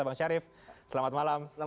bang syarif selamat malam